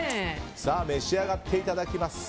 召し上がっていただきます。